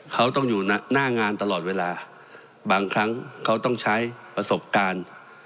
เขาต้องอยู่หน้างานตลอดเวลาบางครั้งเขาต้องใช้ประสบการณ์